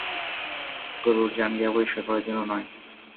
গুরুর জাঙ্গিয়া পরিষ্কার করার জন্য নয়।